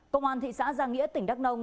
công an thị xã giang nghĩa tỉnh đắc nông